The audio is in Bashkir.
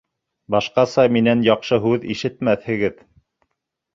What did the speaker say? Башҡаса минән яҡшы һүҙ ишетмәҫһегеҙ.